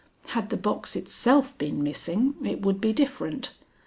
Had the box itself been missing, it would be different.